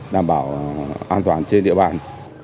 đảm bảo an toàn trên địa bàn